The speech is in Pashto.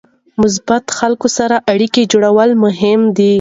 مثبتو خلکو سره اړیکه جوړول مهم دي.